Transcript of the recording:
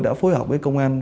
đã phối hợp với công an